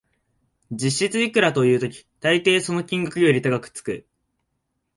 実質いくらという時、たいていその金額より高くつく